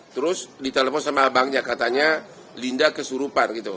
terus ditelepon sama abangnya katanya linda kesurupan gitu